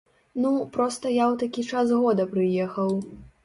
Ну, проста я ў такі час года прыехаў.